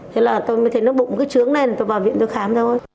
thế là tôi mới thấy nó bụng cứ trướng lên tôi vào viện tôi khám thôi